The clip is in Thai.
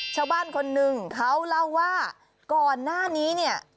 ชาวบ้านคนหนึ่งเขาเล่าว่าก่อนหน้านี้เนี่ย